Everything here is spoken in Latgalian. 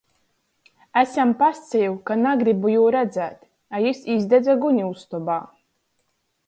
Es jam pasaceju, ka nagrybu jū redzēt, a jis izdedze guni ustobā.